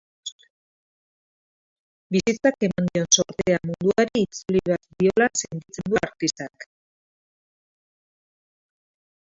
Bizitzak eman dion zortea munduari itzuli behar diola sentitzen du artistak.